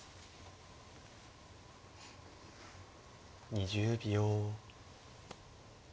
２０秒。